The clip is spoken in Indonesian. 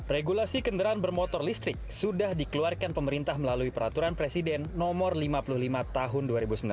regulasi kendaraan bermotor listrik sudah dikeluarkan pemerintah melalui peraturan presiden nomor lima puluh lima tahun dua ribu sembilan belas